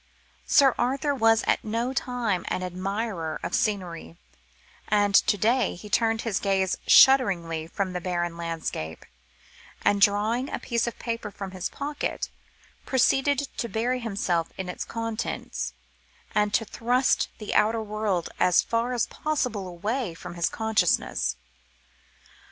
Sir Arthur was at no time an admirer of scenery, and to day he turned his gaze shudderingly from the barren landscape; and, drawing a paper from his pocket, proceeded to bury himself in its contents, and to thrust the outer world as far as possible away from his consciousness.